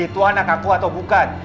nggak ngaku atau bukan